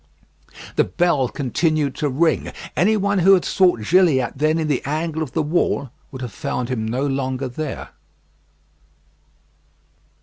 The bell continued to ring. Any one who had sought Gilliatt then in the angle of the wall would have found him no longer there.